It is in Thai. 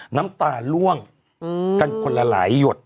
น้ำตาล่วงกันคนละหลายหยด